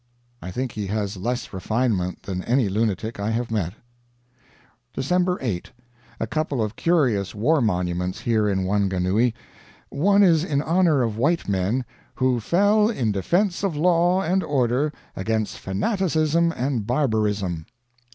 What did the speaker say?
I think he has less refinement than any lunatic I have met. December 8. A couple of curious war monuments here at Wanganui. One is in honor of white men "who fell in defence of law and order against fanaticism and barbarism."